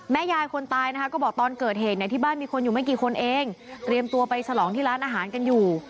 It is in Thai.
ยายคนตายนะคะก็บอกตอนเกิดเหตุเนี่ยที่บ้านมีคนอยู่ไม่กี่คนเองเตรียมตัวไปฉลองที่ร้านอาหารกันอยู่